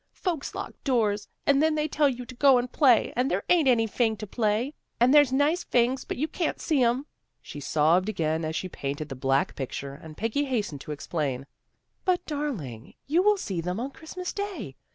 " Folks lock doors. And then they tell you to go and play, and there ain't anyfing to play. And there's nice fings, but you can't see 'em." She sobbed again as she painted the black picture, and Peggy hastened to explain, " But, darling, you will see them on Christmas day.